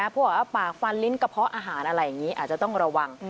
พวกปากฟันลิ้นกระเพาะอาหารอะไรอย่างนี้อาจจะต้องระวัง